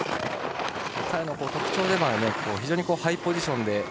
彼の特徴でもある非常にハイポジションで。